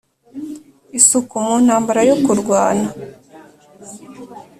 isuku mu ntambara yo kurwana!